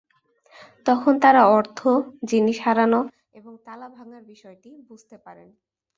তখন তারা অর্থ, জিনিস হারানো এবং তালা ভাঙার বিষয়টি বুঝতে পারেন।